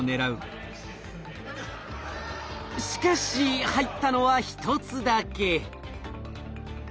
しかし入ったのは１つだけ。